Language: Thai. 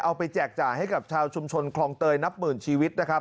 เอาไปแจกจ่าให้กับชาวชุมชนคลองเตยนับหมื่นชีวิต